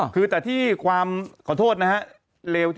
คือแต่ที่ความขอโทษนะฮะเลว